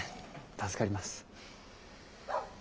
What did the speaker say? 助かります。